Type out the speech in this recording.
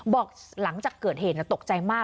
บอกหลังจากเกิดเหตุตกใจมาก